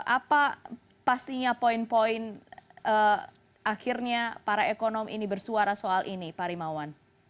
apa pastinya poin poin akhirnya para ekonom ini bersuara soal ini pak rimawan